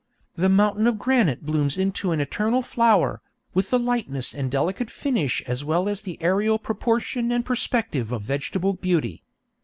The mountain of granite blooms into an eternal flower, with the lightness and delicate finish as well as the aerial proportion and perspective of vegetable beauty.'